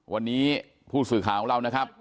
วันนี้ผู้สื่อข่าวของเรานะครับ